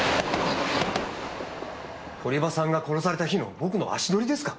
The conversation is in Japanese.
堀場さんが殺された日の僕の足取りですか！？